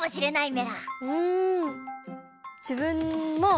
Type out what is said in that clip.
うん！